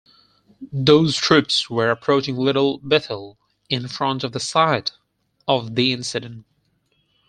Those troops were approaching Little Bethel in front of the site of the incident.